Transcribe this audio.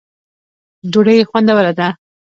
ډوډۍ خوندوره ده.